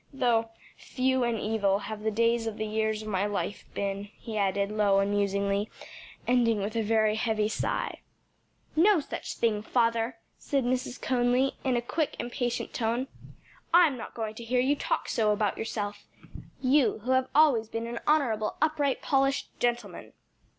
Though 'few and evil have the days of the years of my life been,'" he added, low and musingly, ending with a heavy sigh. "No such thing, father!" said Mrs. Conly, in a quick, impatient tone. "I'm not going to hear you talk so about yourself; you who have been always an honorable, upright, polished gentleman."